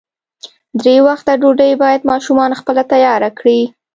درې وخته ډوډۍ باید ماشومان خپله تیاره کړي.